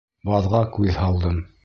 Баҙға күҙ һалдым.